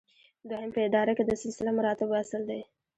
دوهم په اداره کې د سلسله مراتبو اصل دی.